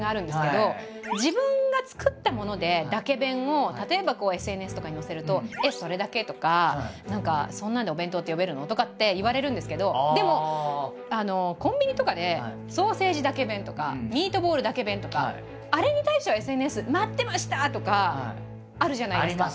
自分が作ったものでだけ弁を例えばこうＳＮＳとかに載せると「えっそれだけ？」とか何か「そんなんでお弁当って呼べるの？」とかって言われるんですけどでもコンビニとかでソーセージだけ弁とかミートボールだけ弁とかあれに対してはＳＮＳ「待ってました！」とかあるじゃないですか。